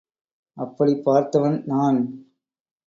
அப்படிப் பார்த்தவன் நான்.